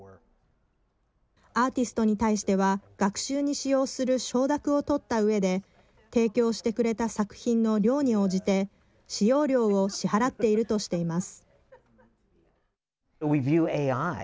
アーティストに対しては学習に使用する承諾を取ったうえで提供してくれた作品の量に応じて使用料を支払っているとしています。